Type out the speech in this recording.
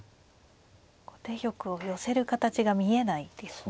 後手玉を寄せる形が見えないですね。